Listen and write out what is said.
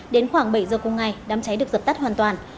đến khoảng bảy giờ cùng ngày đám cháy được dập tắt hoàn toàn